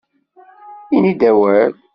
Ini-d awal!